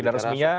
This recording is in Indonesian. tidak resmi ya